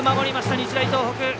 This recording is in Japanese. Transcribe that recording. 日大東北。